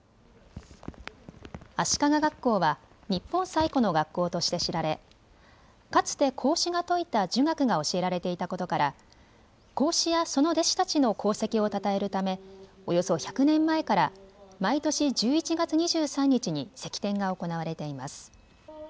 足利学校は日本最古の学校として知られかつて孔子が説いた儒学が教えられていたことから孔子やその弟子たちの功績をたたえるためおよそ１００年前から毎年１１月２３日に釋奠が行われています。